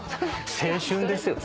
青春ですよ。